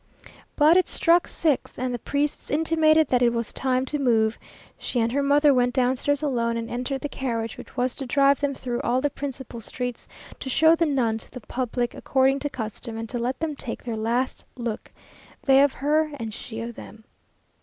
But it struck six, and the priests intimated that it was time to move. She and her mother went downstairs alone, and entered the carriage which was to drive them through all the principal streets, to show the nun to the public according to custom, and to let them take their last look, they of her, and she of them.